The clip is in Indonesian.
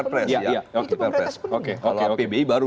itu pemerintah sepenuhnya kalau pbi baru